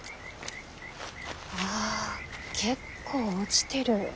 ああ結構落ちてる。